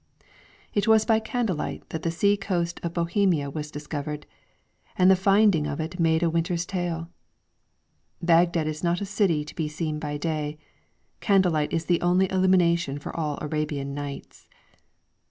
It was by candlelight that the sea coast of Bohemia was discovered, and the finding of it made a winter"'s tale. Baghdad is not a city to be seen by day ; candlelight is the only illumination for all Arabian nights.